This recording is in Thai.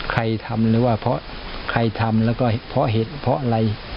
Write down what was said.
ใครทำหรือว่าเพราะใครทำแล้วก็เพราะเหตุเพราะอะไร